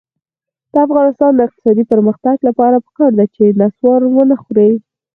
د افغانستان د اقتصادي پرمختګ لپاره پکار ده چې نصوار ونه خورئ.